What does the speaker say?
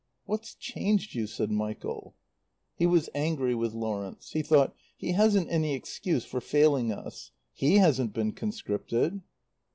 "What's changed you?" said Michael. He was angry with Lawrence. He thought: "He hasn't any excuse for failing us. He hasn't been conscripted."